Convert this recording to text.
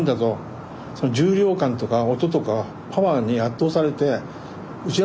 その重量感とか音とかパワーに圧倒されてうち